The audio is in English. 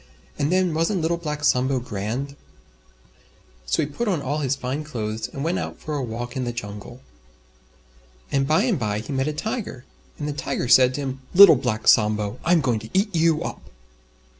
And then wasn't Little Black Sambo grand? So he put on all his Fine Clothes and went out for a walk in the Jungle. And by and by he met a Tiger. And the Tiger said to him, "Little Black Sambo, I'm going to eat you up!"